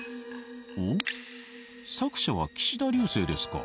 おっ作者は岸田劉生ですか。